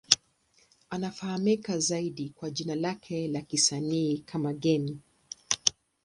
Anafahamika zaidi kwa jina lake la kisanii kama Game.